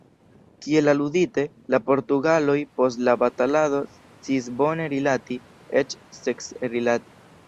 Kiel aludite, la portugaloj post la batalado sciis bone rilati, eĉ seksrilati.